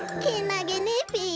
けなげねべ。